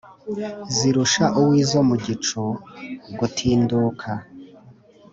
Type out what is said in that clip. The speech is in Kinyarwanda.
zirusha uwo izo mu gicu gutinduka